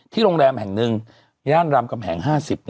โรงแรมแห่งหนึ่งย่านรามกำแหง๕๐